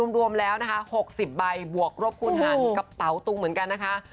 รวมแล้วนะคะ๖๐ใบบวกรบคุณหารกระเป๋าตุงเหมือนกันนะคะ